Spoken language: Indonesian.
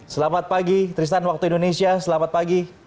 selamat pagi tristan waktu indonesia selamat pagi